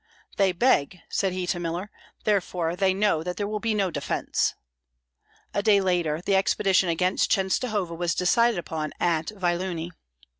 "They beg," said he to Miller; "therefore they know that there will be no defence." A day later the expedition against Chenstohova was decided upon at Vyelunie.